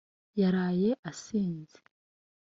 yaraye asinze